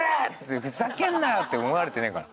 ふざけんなよ！って思われてねえかな。